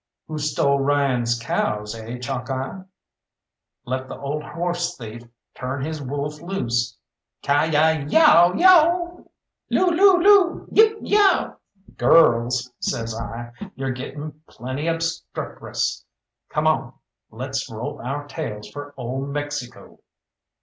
"Who stole Ryan's cows, eh, Chalkeye?" "Let the old horse thief turn his wolf loose! Ki yi yeou ou ou!" "Loo loo loo Yip! Yow!" "Girls," says I, "you're gettin' plenty obstreperous. Come on let's roll our tails for old Mexico!"